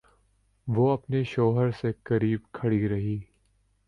وہ اپنے شوہر سے قریب کھڑی رہی۔